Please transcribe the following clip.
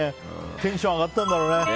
テンション上がったんだろうね。